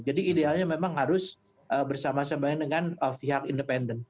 jadi idealnya memang harus bersama sama dengan pihak independen